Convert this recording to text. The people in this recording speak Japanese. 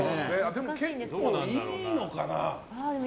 でも結構、いいのかな。